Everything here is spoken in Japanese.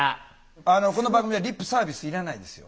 この番組はリップサービスいらないですよ。